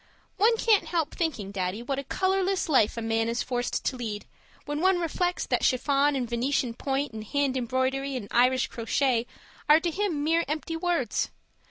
One can't help thinking, Daddy, what a colourless life a man is forced to lead, when one reflects that chiffon and Venetian point and hand embroidery and Irish crochet are to him mere empty words.